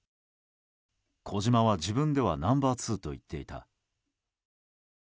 小島は自分ではナンバー２と言っていた。